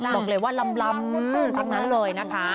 บอกเลยว่าลำซื่อทั้งนั้นเลยนะคะ